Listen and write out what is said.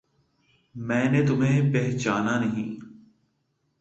میں نے تمہیں پہچانا نہیں